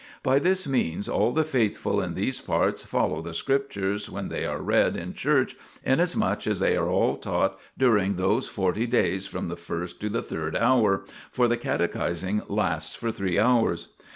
By this means all the faithful in these parts follow the Scriptures when they are read in church, inasmuch as they are all taught during those forty days from the first to the third hour, for the catechising lasts for three hours.